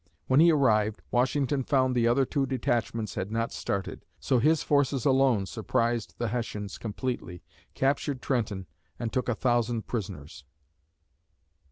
When he arrived, Washington found the other two detachments had not started, so his forces alone surprised the Hessians completely, captured Trenton and took a thousand prisoners!